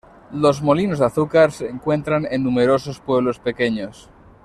Los molinos de azúcar se encuentran en numerosos pueblos pequeños.